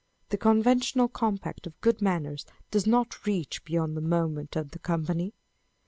The con ventional compact, of good manners does not reach, beyond the moment and the company.